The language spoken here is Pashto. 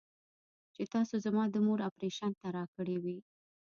چې تاسو زما د مور اپرېشن ته راکړې وې.